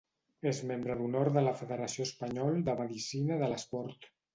És membre d'honor de la Federació Espanyol de Medicina de l'Esport.